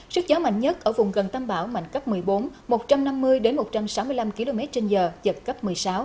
sức gió mạnh nhất ở vùng gần tâm bão mạnh cấp một mươi bốn một trăm năm mươi một trăm sáu mươi năm km trên giờ giật cấp một mươi sáu